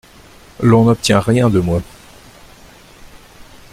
L’on n’obtient rien de moi.